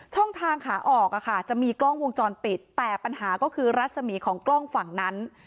ช่องทางขาออกจะมีกล้องวงจรปิดแต่ปัญหาก็คือรัศมีของกล้องฝั่งนั้น